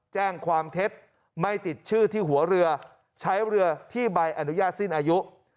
แจ้งความเท็จไม่ติดชื่อที่หัวเรือใช้เรือที่ใบอนุญาตสิ้นอายุ